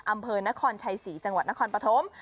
อำเภอนครชัยศรีจังหวัดนครปฐม